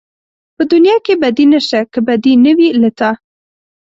په دنيا کې بدي نشته که بدي نه وي له تا